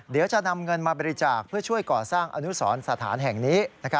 เดี๋ยวจะนำเงินมาบริจาคเพื่อช่วยก่อสร้างอนุสรสถานแห่งนี้